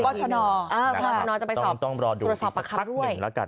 พศนจะไปสอบโรศัพท์ประคับด้วยพศนต้องรอดูสิทธิ์สักพักหนึ่งแล้วกัน